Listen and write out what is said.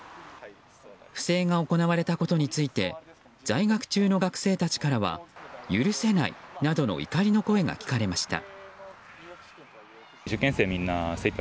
不正が行われたことについて在学中の学生たちからは許せないなどの怒りの声が聞かれました。